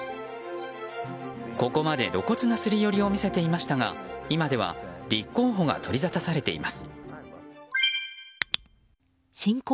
ここまで露骨なすり寄りを見せていましたが今では立候補が取りざたされています。